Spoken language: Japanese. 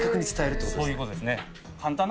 そういうことですね。